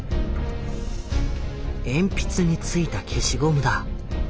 鉛筆に付いた消しゴムだ。